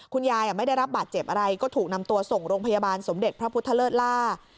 คุณยายไม่ได้รับบาดเจ็บอะไรก็ถูกนำตัวส่งโรงพยาบาลสมเด็จพระพุทธเลิศล่า